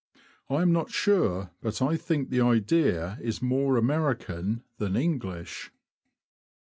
I am not sure, but I think the idea is more American than English.